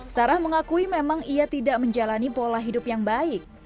sarah mengakui memang ia tidak menjalani pola hidup yang baik